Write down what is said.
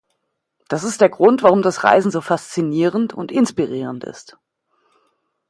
Das ist der Grund, warum das Reisen so faszinierend und inspirierend ist.